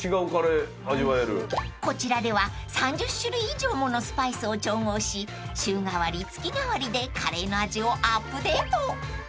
［こちらでは３０種類以上ものスパイスを調合し週替わり月替わりでカレーの味をアップデート］